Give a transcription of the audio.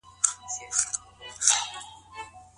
جماع تر کتلو او لمسولو لوړ حالت څنګه دی؟